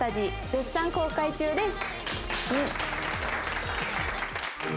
絶賛公開中です。